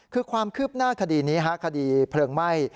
คือความคืบหน้าคดีนี้คดีเพลิงไหม้